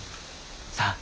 さあ。